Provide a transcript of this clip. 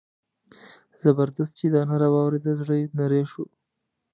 زبردست چې دا ناره واورېده زړه یې نری شو.